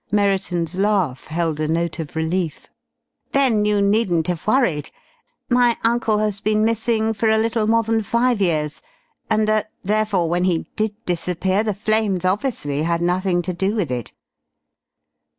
Merriton's laugh held a note of relief. "Then you needn't have worried. My uncle has been missing for a little more than five years, and that, therefore, when he did disappear the flames obviously had nothing to do with it!"